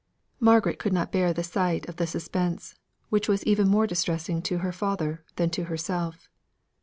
Margaret could not bear the sight of the suspense, which was even more distressing to her father than to herself.